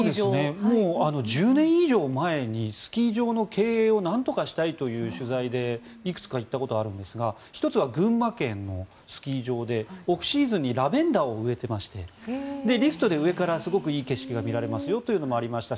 もう１０年以上前にスキー場の経営をなんとかしたいという取材でいくつか行ったことがあるんですが１つは群馬県のスキー場でオフシーズンにラベンダーを植えてましてリフトで上からすごくいい景色が見られますよというのもありましたし